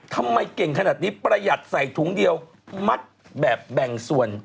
ทำไมเก่งขนาดนี้ประหยัดใส่ถุงเดียวมัดแบบแบ่งส่วน